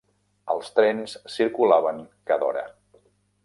Els trens circulaven cada hora.